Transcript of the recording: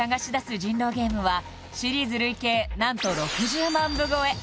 人狼ゲームはシリーズ累計何と６０万部超え